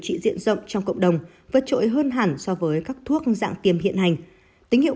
trị diện rộng trong cộng đồng vượt trội hơn hẳn so với các thuốc dạng tiêm hiện hành tính hiệu